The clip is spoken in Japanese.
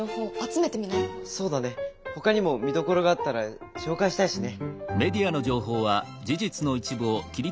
そうだねほかにも見どころがあったら紹介したいしね。